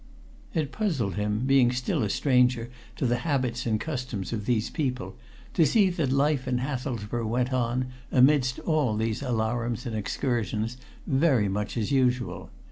It puzzled him, being still a stranger to the habits and customs of these people, to see that life in Hathelsborough went on, amidst all these alarums and excursions, very much as usual.